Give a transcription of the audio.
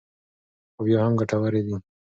خو بیا هم ګټورې دي.